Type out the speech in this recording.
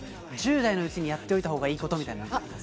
１０代のうちにやっておいたほうがいいことは？